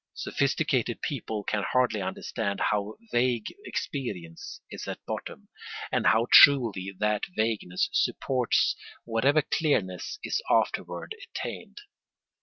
Sophisticated people can hardly understand how vague experience is at bottom, and how truly that vagueness supports whatever clearness is afterward attained.